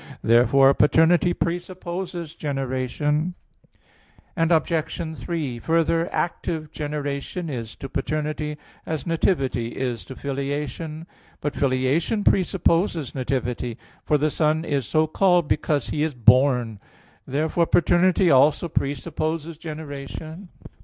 Therefore paternity presupposes generation. Obj. 3: Further, active generation is to paternity as nativity is to filiation. But filiation presupposes nativity; for the Son is so called because He is born. Therefore paternity also presupposes generation.